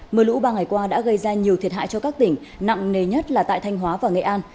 mờ lũ ba ngày qua đã gây ra nhiều thiệt hại cho các tỉnh nặng nề nhất là tại thanh hóa và nghệ an